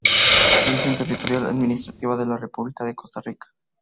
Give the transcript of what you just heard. División Territorial Administrativa de La República de Costa Rica.